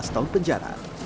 lima belas tahun penjara